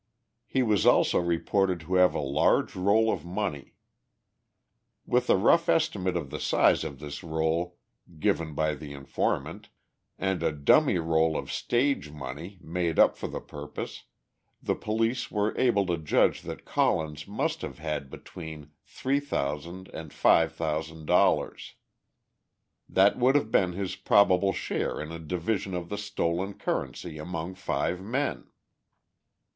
He was also reported to have a large roll of money. With a rough estimate of the size of this roll, given by the informant, and a dummy roll of "stage money" made up for the purpose, the police were able to judge that Collins must have had between $3,000 and $5,000. That would have been his probable share in a division of the stolen currency among five men.